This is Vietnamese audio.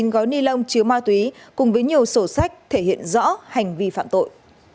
hai mươi chín gói ni lông chứa ma tuế cùng với nhiều sổ sách thể hiện rõ hành vi phạm tội